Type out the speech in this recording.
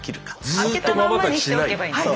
開けたまんまにしておけばいいんですね。